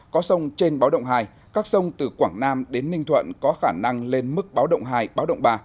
có sông trên báo động hai các sông từ quảng nam đến ninh thuận có khả năng lên mức báo động hai báo động ba